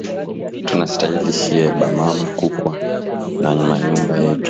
Tunastaili shiye ba mama kukwa na ma nyumba yetu